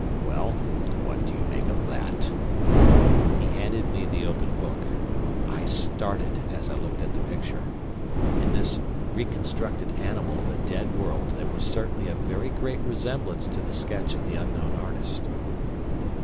Well, what do you make of that?" He handed me the open book. I started as I looked at the picture. In this reconstructed animal of a dead world there was certainly a very great resemblance to the sketch of the unknown artist.